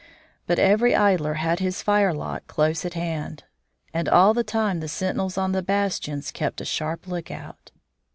But every idler had his firelock close at hand, and all the time the sentinels on the bastions kept a sharp lookout.